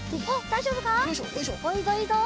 いいぞいいぞ！